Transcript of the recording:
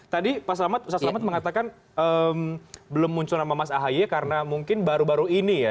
tadi pak selamat mengatakan belum muncul nama mas ahy karena mungkin baru baru ini ya